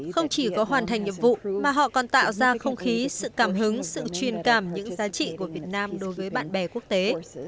không chỉ có hoàn thành nhiệm vụ mà họ còn tạo ra không khí sự cảm hứng sự truyền cảm những giá trị của việt nam đối với bạn bè quốc tế